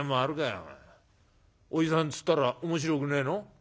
『おじさん』っつったらおもしろくねえの？